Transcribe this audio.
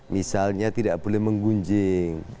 misalnya tidak boleh menggunjing